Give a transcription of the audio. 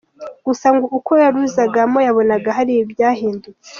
Gusa ngo uko yaruzagamo yabonaga hari ibyahindutse.